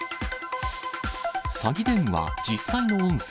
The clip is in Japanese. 詐欺電話、実際の音声。